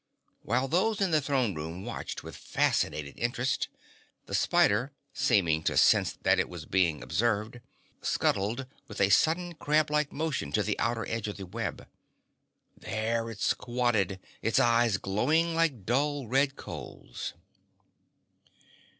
While those in the throne room watched with fascinated interest, the spider, seeming to sense that it was being observed, scuttled with a sudden, crab like motion to the outer edge of the web. There it squatted, its eyes glowing like dull, red coals.